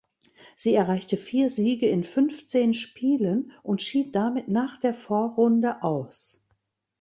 Sie erreichte vier Siege in fünfzehn Spielen und schied damit nach der Vorrunde aus.